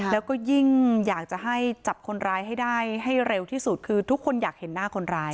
แล้วก็ยิ่งอยากจะให้จับคนร้ายให้ได้ให้เร็วที่สุดคือทุกคนอยากเห็นหน้าคนร้าย